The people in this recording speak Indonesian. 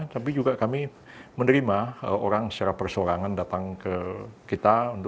tapi juga kami menerima orang secara persorangan datang ke kita